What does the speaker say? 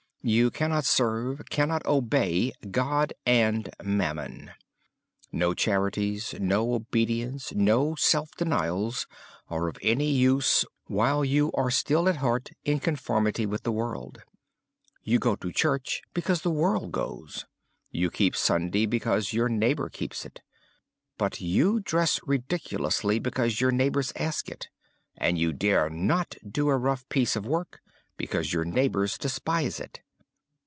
You cannot serve, cannot obey, God and mammon. No charities, no obedience, no self denials, are of any use while you are still at heart in conformity with the world. You go to church, because the world goes. You keep Sunday, because your neighbor keeps it. But you dress ridiculously because your neighbors ask it; and you dare not do a rough piece of work, because your neighbors despise it.